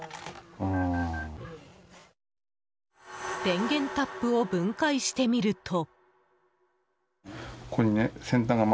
電源タップを分解してみると。